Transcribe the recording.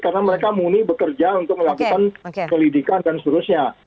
karena mereka muni bekerja untuk melakukan pelidikan dan seterusnya